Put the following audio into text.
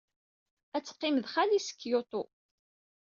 Ad teqqim ed xali-s deg Kyoto.